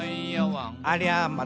「ありゃま！